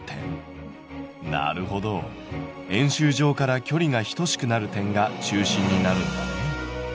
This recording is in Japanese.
なるほど円周上から距離が等しくなる点が中心になるんだね。